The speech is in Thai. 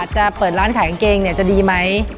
จะเปิดร้านขายกางเกงจะดีไหม